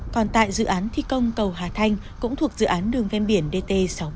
còn tại dự án thi công cầu hà thanh cũng thuộc dự án đường ven biển dt sáu trăm bảy mươi